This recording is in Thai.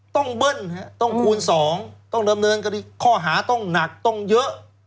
ต้องเบิ้ลต้องคูณสองต้องเริ่มเนินข้อหาต้องหนักต้องเยอะ